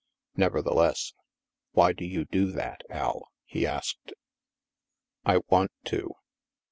Nevertheless, "Why do you do that, Al?" he asked. I want to."